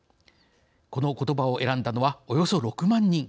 このことばを選んだのはおよそ６万人。